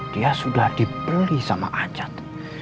dia sudah dibeli sama ajat